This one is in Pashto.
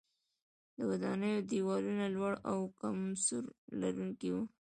د ودانیو دیوالونه لوړ او کم سور لرونکي وو.